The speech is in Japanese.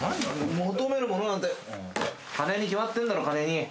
求めるものなんて金に決まってんだろ金に。